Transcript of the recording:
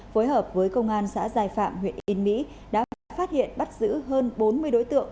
phối hợp với công an xã giai phạm huyện yên mỹ đã phát hiện bắt giữ hơn bốn mươi đối tượng